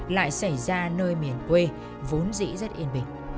lại xảy ra nơi miền quê vốn dĩ rất yên bình